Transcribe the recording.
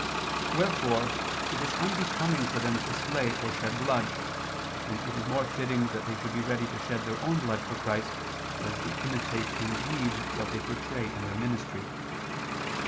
Wherefore it is unbecoming for them to slay or shed blood, and it is more fitting that they should be ready to shed their own blood for Christ, so as to imitate in deed what they portray in their ministry.